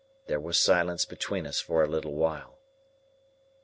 There was silence between us for a little while.